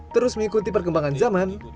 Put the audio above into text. terus mengikuti perkembangan zaman